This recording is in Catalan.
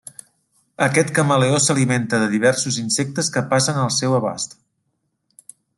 Aquest camaleó s'alimenta de diversos insectes que passen al seu abast.